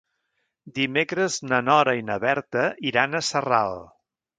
Dimecres na Nora i na Berta iran a Sarral.